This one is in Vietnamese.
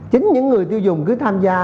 chính những người tiêu dùng cứ tham gia